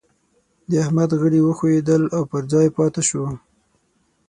د احمد غړي وښوئېدل او پر ځای پاته شو.